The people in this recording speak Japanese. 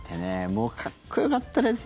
もう、かっこよかったですよ